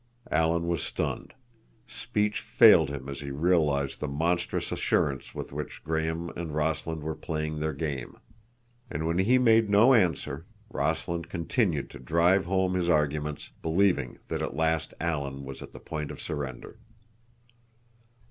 Alan was stunned. Speech failed him as he realized the monstrous assurance with which Graham and Rossland were playing their game. And when he made no answer Rossland continued to drive home his arguments, believing that at last Alan was at the point of surrender.